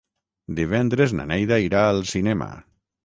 Divendres na Neida irà al cinema.